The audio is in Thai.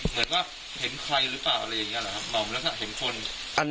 เหมือนว่าเห็นใครหรือเปล่าอะไรอย่างเงี้เหรอครับหม่อมแล้วก็เห็นคน